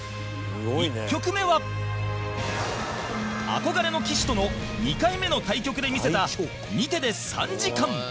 １局目は憧れの棋士との２回目の対局で見せた２手で３時間！